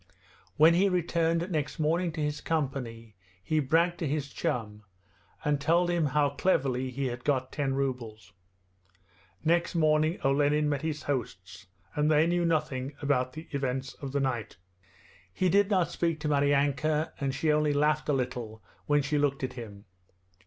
When he returned next morning to his company he bragged to his chum, and told him how cleverly he had got ten rubles. Next morning Olenin met his hosts and they knew nothing about the events of the night. He did not speak to Maryanka, and she only laughed a little when she looked at him.